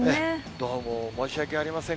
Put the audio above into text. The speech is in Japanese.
どうも申し訳ありません。